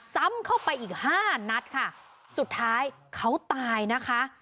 ซ้ำเข้าไปอีกห้านัดค่ะสุดท้ายเขาตายนะคะ